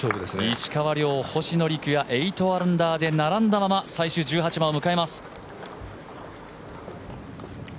石川遼、星野陸也８アンダーで並んだまま最終１８番を迎えます。